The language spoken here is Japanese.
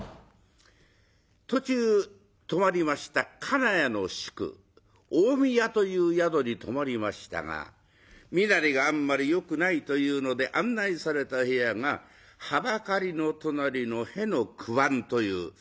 途中泊まりました金谷の宿近江屋という宿に泊まりましたが身なりがあんまりよくないというので案内された部屋がはばかりの隣の「へ」の九番という。